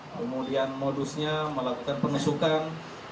kemudian modusnya melakukan penesukan